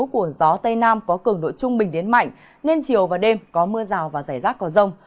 của gió tây nam có cường độ trung bình đến mạnh nên chiều và đêm có mưa rào và rải rác có rông